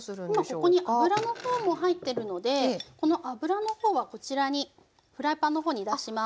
今ここに油の方も入ってるのでこの油の方はこちらにフライパンの方に出します。